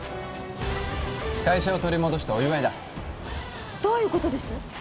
会社を取り戻したお祝いだどういうことです？